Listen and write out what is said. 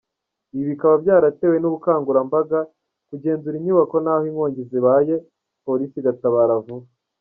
Ibi bikaba byaratewe n’ubukangurambaga, kugenzura inyubako n’aho inkongi zibaye polisi igatabara vuba.